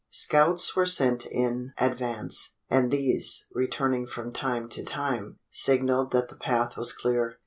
Scouts were sent in advance; and these, returning from time to time, signalled that the path was clear.